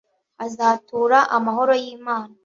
hazatura amahoro y’Imana